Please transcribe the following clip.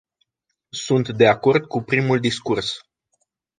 Sunt de acord cu primul discurs.